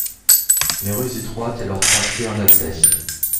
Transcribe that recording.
Les rues étroites et leurs tracés en attestent.